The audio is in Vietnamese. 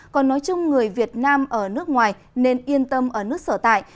còn nói chung người việt nam ở nước ngoài nên yên tâm ở nước sở tại